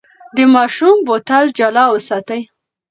د ماشوم بوتل جلا وساتئ.